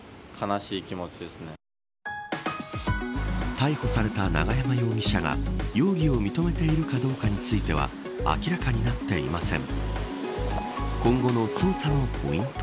逮捕された永山容疑者が容疑を認めているかどうかについては明らかになっていません。